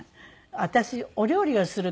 私お料理をするから。